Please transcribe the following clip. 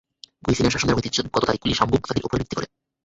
গুইসিনের শাসনের ঐতিহ্যগত তারিখগুলি সামগুক সাগির উপর ভিত্তি করে।